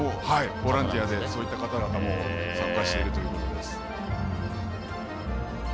ボランティアでそういった方々も参加しているということです。